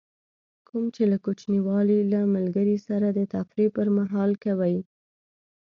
کوم چې له کوچنیوالي له ملګري سره د تفریح پر مهال کوئ.